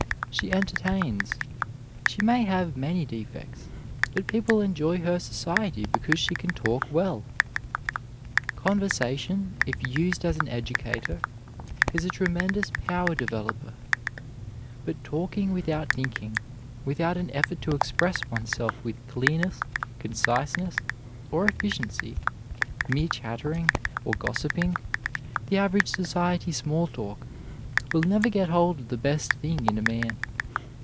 She entertains. She may have many defects, but people enjoy her society because she can talk well. Conversation, if used as an educator, is a tremendous power developer; but talking without thinking, without an effort to express oneself with clearness, conciseness, or efficiency, mere chattering, or gossiping, the average society small talk, will never get hold of the best thing in a man.